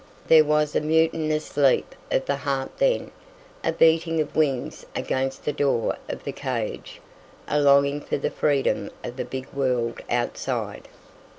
There was a mutinous leap of the heart then, a beating of wings against the door of the cage, a longing for the freedom of the big world outside.